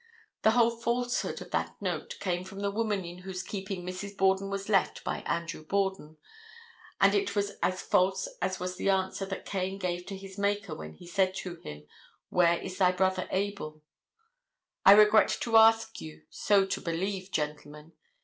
The whole falsehood of that note came from the woman in whose keeping Mrs. Borden was left by Andrew Borden, and it was as false as was the answer that Cain gave to his Maker when he said to him, "Where is thy brother Abel?" I regret to ask you so to believe, gentlemen.